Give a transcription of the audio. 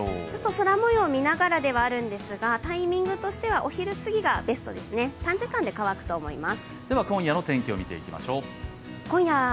空もようを見ながらではあるんですがタイミングとしてはお昼すぎがベストですね、短時間で乾くと思います。